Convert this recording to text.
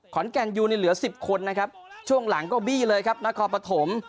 ขอนแก่นอยู่นี่เหลือสิบคนช่วงหลังก็บี้เลยครับนครปฐม